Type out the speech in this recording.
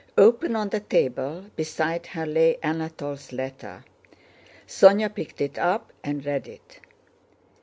Open on the table, beside her lay Anatole's letter. Sónya picked it up and read it.